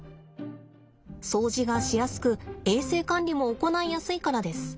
掃除がしやすく衛生管理も行いやすいからです。